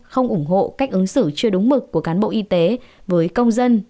không ủng hộ cách ứng xử chưa đúng mực của cán bộ y tế với công dân